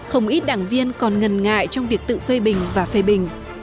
không ít đảng viên còn ngần ngại trong việc tự phê bình và phê bình